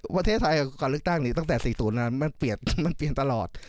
ประเทศไทยการลึกตั้งตั้งแต่๔ศูนย์มันเปลี่ยนตลอด